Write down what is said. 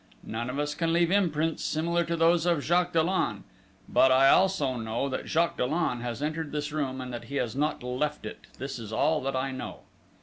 None of us can leave imprints similar to those of Jacques Dollon. But, I also know, that Jacques Dollon has entered this room, and that he has not left it this is all that I know!"